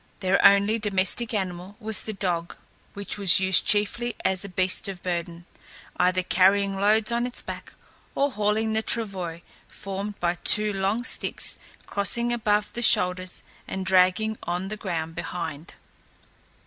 Their only domestic animal was the dog, which was used chiefly as a beast of burden, either carrying loads on its back or hauling a travois, formed by two long sticks crossing above the shoulders and dragging on the ground behind.